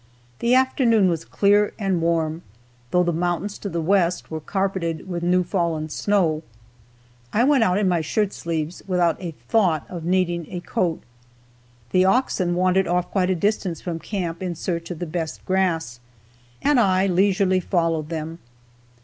The afternoon was clear and warm, though the mountains to the west were carpeted with new fallen snow. I went out in my shirt sleeves, without a thought of needing a coat. The oxen wandered off quite a distance from camp in search of the best grass, and I leisurely followed them.